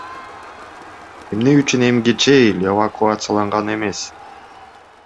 Эмне үчүн эмгиче эл эвакуацияланган эмес?